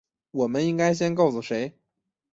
我们应该先告诉谁？